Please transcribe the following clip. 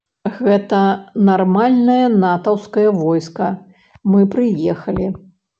Гэта нармальнае натаўскае войска, мы прыехалі!